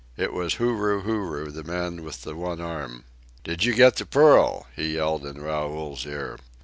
It was Huru Huru, the man with the one arm. "Did you get the pearl?" he yelled in Raoul's ear.